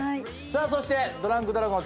そしてドランクドラゴン塚